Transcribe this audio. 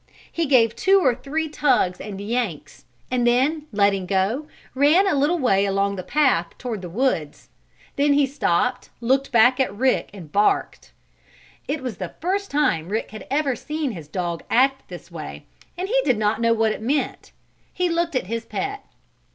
He gave two or three tugs and yanks, and then, letting go, ran a little way along the path toward the woods. Then he stopped, looked back at Rick and barked. It was the first time Rick had ever seen his dog act this way, and he did not know what it meant. He looked at his pet.